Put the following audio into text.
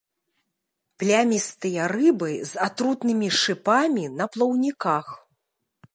Плямістыя рыбы з атрутнымі шыпамі на плаўніках.